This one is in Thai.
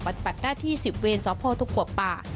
บัดปัดหน้าที่๑๐เวนสพตกป่า